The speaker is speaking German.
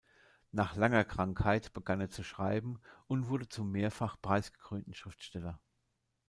Nach langer Krankheit begann er zu schreiben und wurde zum mehrfach preisgekrönten Schriftsteller.